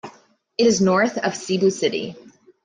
It is north of Cebu City.